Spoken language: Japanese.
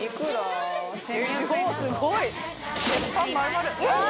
量すごい！